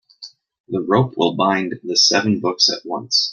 The rope will bind the seven books at once.